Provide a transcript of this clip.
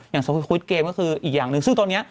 อย่างทรบควิทเกมก็คืออีกอย่างนึงซึ่งตอนนี้